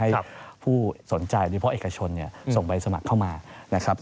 ให้ผู้สนใจหรือเพราะเอกชนส่งใบสมัครเข้ามานะครับ